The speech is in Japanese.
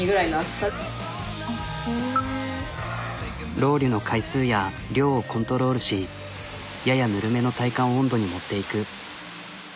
ロウリュの回数や量をコントロールしややぬるめの体感温度に持っていく。